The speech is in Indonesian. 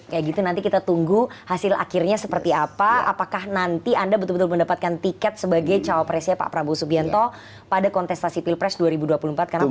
kayak gitu nanti kita tunggu hasil akhirnya seperti apa apakah nanti anda betul betul mendapatkan tiket sebagai cawapresnya pak prabowo subianto pada kontestasi pilpres dua ribu dua puluh empat karena